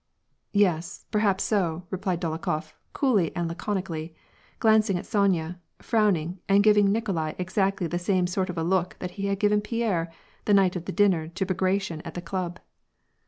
" Yes, perhaps so," replied Dolokhof, coolly and laconically, glancing at Sony a, frowning, and giving Nikolai exactly the same sort of a look that he had given Pierre, the night of the dinner to Bagration at the club.